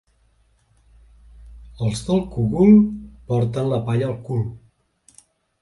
Els del Cogul porten la palla al cul.